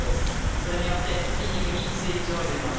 それによって筋肉にスイッチを入れます。